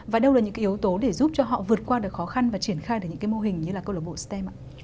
và đâu là những cái yếu tố để giúp cho họ vượt qua được khó khăn và triển khai được những cái mô hình như là câu lạc bộ stem ạ